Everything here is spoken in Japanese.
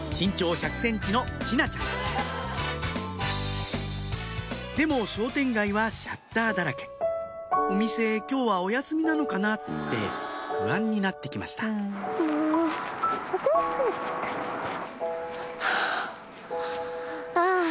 身長１００ｃｍの智奈ちゃんでも商店街はシャッターだらけ「お店今日はお休みなのかな」って不安になって来ましたハァあ。